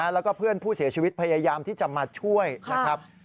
แล้วก็เพื่อนผู้เสียชีวิตพยายามที่จะมาช่วยนะครับ